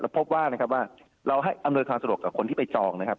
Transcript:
พบว่านะครับว่าเราให้อำนวยความสะดวกกับคนที่ไปจองนะครับ